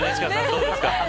どうですか。